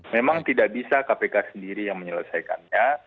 memang tidak bisa kpk sendiri yang menyelesaikannya